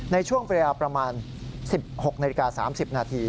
ในช่วงเวลาประมาณ๑๖นาฬิกา๓๐นาที